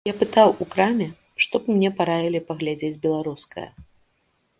Я пытаў у краме, што б мне параілі паглядзець беларускае.